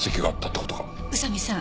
宇佐見さん